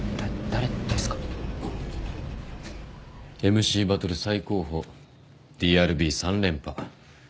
ＭＣバトル最高峰ＤＲＢ３連覇。